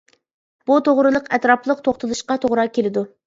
بۇ توغرىلىق ئەتراپلىق توختىلىشقا توغرا كېلىدۇ.